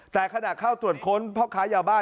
แต่ขณะเข้าตรวจค้นพ่อค้ายาบ้า